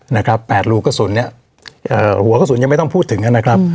แปดรูกระสุนเนี้ยเอ่อหัวกระสุนยังไม่ต้องพูดถึงนะครับ